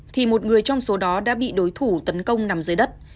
thì một người trong số đó đã bị đối thủ tấn công nằm dưới đất